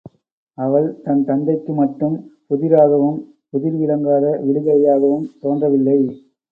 அவள் தன் தந்தைக்கு மட்டும் புதிராகவும் புதிர் விளங்காத விடுகதையாகவும் தோன்றவில்லை!